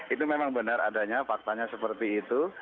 itu memang benar adanya faktanya seperti itu